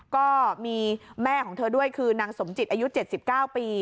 ก็มีแม่ของเธอด้วยคือนางสมจิตอายุ๗๙ปี